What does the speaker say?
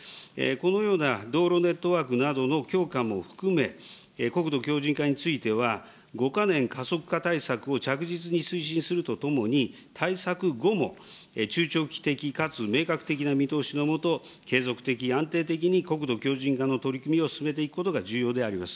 このような道路ネットワークなどの強化も含め、国土強じん化については、５か年加速化対策を着実に推進するとともに、対策後も中長期的かつ明確的な見通しのもと、継続的、安定的に国土強じん化の取り組みを進めていくことが重要であります。